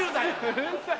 うるさいよ。